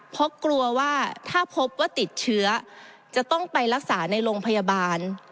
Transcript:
เพราะกลัวว่าถ้าพบว่าติดเชื้อจะต้องไปรักษาในโรงพยาบาล